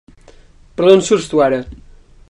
Però d'on surts, tu ara?